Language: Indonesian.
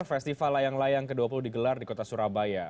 festival layang layang ke dua puluh digelar di kota surabaya